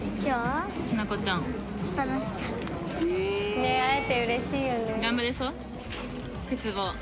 ねえ会えてうれしいよね。